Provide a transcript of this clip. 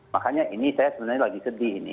makanya ini saya sebenarnya lagi sedih ini